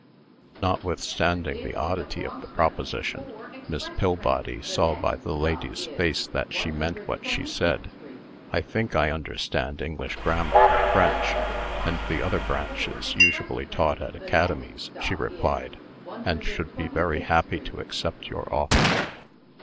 Notwithstanding the oddity of the proposition, Miss Pillbody saw by the lady's face that she meant what she said. "I think I understand English grammar, and French, and the other branches usually taught at academies," she replied, "and should be very happy to accept your offer."